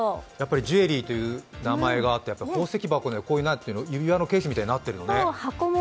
ジュエリーという名前だけあって指輪のケースみたいになってるのね。